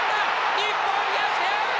日本逆転。